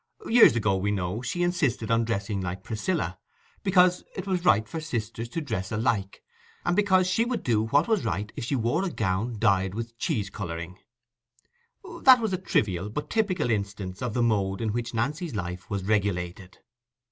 Years ago, we know, she insisted on dressing like Priscilla, because "it was right for sisters to dress alike", and because "she would do what was right if she wore a gown dyed with cheese colouring". That was a trivial but typical instance of the mode in which Nancy's life was regulated.